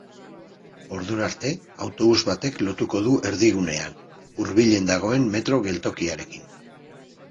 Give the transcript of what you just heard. Ordurarte, autobus batek lotuko du erdigunean, hurbilen dagoen metro geltokiarekin.